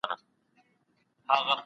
څه پروین د نیمي شپې څه سپین سبا دی